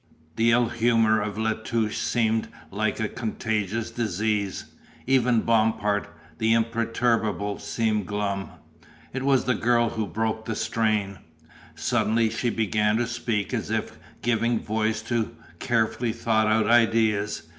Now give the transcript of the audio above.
The ill humor of La Touche seemed like a contagious disease, even Bompard, the imperturbable, seemed glum. It was the girl who broke the strain. Suddenly she began to speak as if giving voice to carefully thought out ideas.